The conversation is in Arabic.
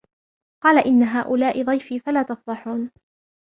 قال إن هؤلاء ضيفي فلا تفضحون